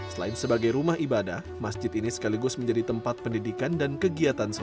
selain sebagai rumah ibadah masjid ini sekaligus menjadi tempat pendidikan dan kegiatan sosial